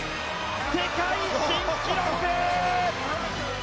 世界新記録！